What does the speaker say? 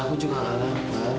aku juga nggak lapar